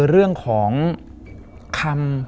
เรื่องของคำ